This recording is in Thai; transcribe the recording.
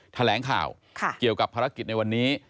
แถลงข่าวเกี่ยวกับภารกิจในวันนี้